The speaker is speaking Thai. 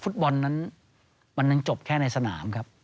ฟุตบอลนั้นมันยังจบแค่ในสนามครับ